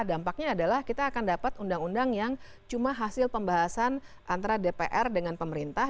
dampaknya adalah kita akan dapat undang undang yang cuma hasil pembahasan antara dpr dengan pemerintah